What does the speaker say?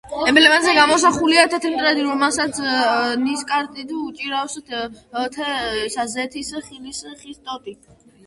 ემბლემაზე გამოსახულია თეთრი მტრედი, რომელსაც ნისკარტით უჭირავს ზეთის ხილის ხის ტოტი.